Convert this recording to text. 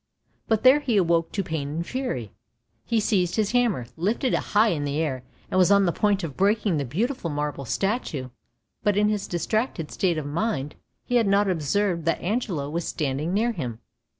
But there he awoke to pain and fury; he seized his hammer, lifted it high in the air, and was on the point of breaking the beautiful marble statue, but in his distracted state of mind he had not observed that Angelo was standing near him.